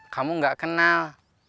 kamu enggak kenal